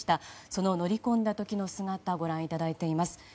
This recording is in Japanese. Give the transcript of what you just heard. その乗り込んだ時の姿をご覧いただいています。